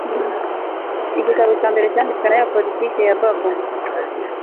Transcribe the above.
igitabo cya mbere cya ya politiki yanditswe na babu